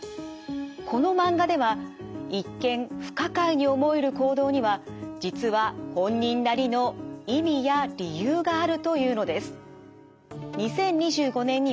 このマンガでは一見不可解に思える行動には実は本人なりの意味や理由があるというのです。